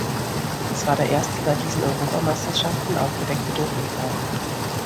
Es war der erste bei diesen Europameisterschaften aufgedeckte Dopingfall.